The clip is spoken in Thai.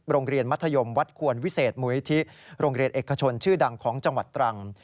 โรงเรียนมัธยมวัดควรวิเศษมุยที่โรงเรียนเอกชนชื่อดังของจังหวัดตรัง